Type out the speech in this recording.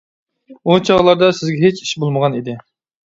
ئۇ چاغلاردا سىزگە ھېچ ئىش بولمىغانىدى.